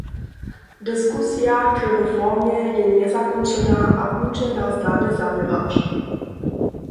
Diskusija k reformje je njezakónčena a budźe nas dale zaběrać.